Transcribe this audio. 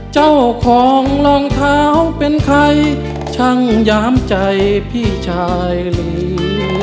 เจ้าของรองเท้าเป็นใครช่างยามใจพี่ชายหรือ